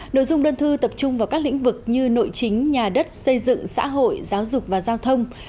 nội dung đơn thư tập trung vào các lĩnh vực như nội chính nhà đất xây dựng xã hội giáo dục và giao thông